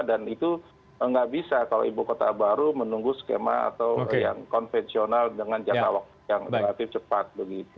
dan itu nggak bisa kalau ibu kota baru menunggu skema atau yang konvensional dengan jangka waktu yang relatif cepat begitu